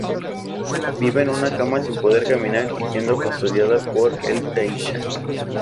Vive en una cama sin poder caminar y siendo custodiada por el Taisha.